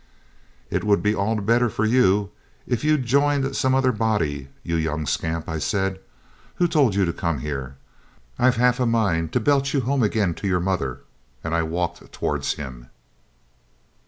'It would be all the better for you if you'd joined some other body, you young scamp,' I said. 'Who told you to come here? I've half a mind to belt you home again to your mother;' and I walked towards him.